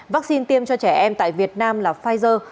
vaccine tiêm cho trẻ em tại việt nam là pfizer